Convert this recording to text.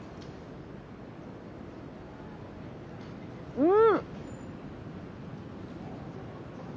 うん！